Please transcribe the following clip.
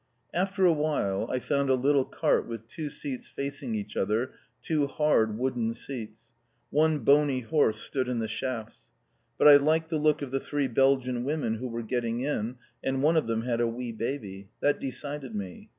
After a while I found a little cart with two seats facing each other, two hard wooden seats. One bony horse stood in the shafts. But I liked the look of the three Belgian women who were getting in, and one of them had a wee baby. That decided me.